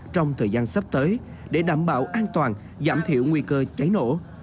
trong thời gian sắp tới để đảm bảo an toàn giảm thiểu nguy cơ cháy nổ